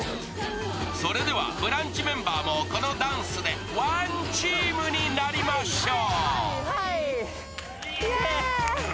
それでは「ブランチ」メンバーもこのダンスでワンチームになりましょう。